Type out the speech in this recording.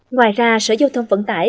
ngoài ra sở giao thông vận tải